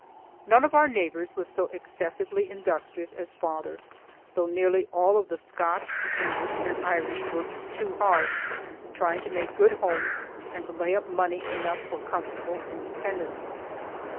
None of our neighbors were so excessively industrious as father; though nearly all of the Scotch, English, and Irish worked too hard, trying to make good homes and to lay up money enough for comfortable independence.